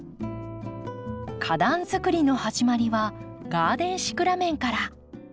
花壇づくりの始まりはガーデンシクラメンから。